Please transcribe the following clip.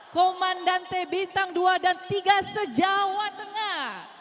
komandante bintang dua dan tiga sejawa tengah